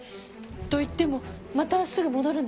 といってもまたすぐ戻るんでしょ？